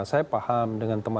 saya paham dengan teman